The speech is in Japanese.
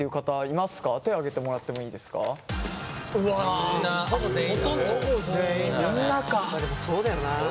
まあでもそうだよな。